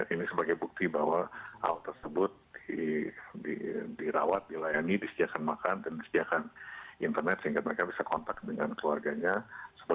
ini sebagai bukti bahwa hal tersebut dirawat dilayani disediakan makan dan disediakan internet sehingga mereka bisa kontak dengan keluarganya